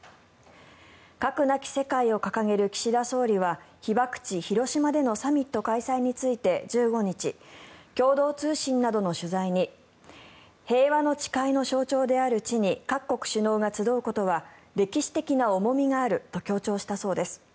核なき世界を掲げる岸田総理は被爆地・広島でのサミット開催について１５日、共同通信などの取材に平和の誓いの象徴である地に各国首脳が集うことは歴史的な重みがあると強調したそうです。